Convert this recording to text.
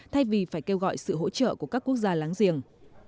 thay vì phải kêu gọi sự hỗ trợ của các quốc gia láng giềng